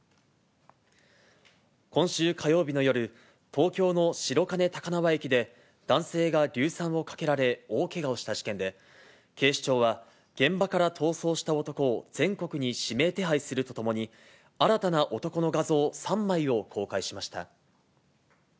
今週火曜日の夜、東京の白金高輪駅で、男性が硫酸をかけられ、大けがをした事件で、警視庁は、現場から逃走した男を全国に指名手配するとともに、新たな男の画像３枚を公開しました。